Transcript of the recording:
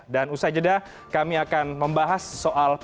usai jeda kami akan membahas soal